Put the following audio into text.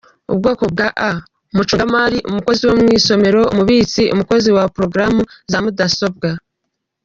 Ubwoko bwa A: Umucungamari, umukozi wo mu isomero, umubitsi, umukozi wa porogaramu za mudasobwa.